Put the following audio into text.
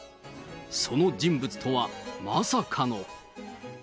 その人物とはまさかの。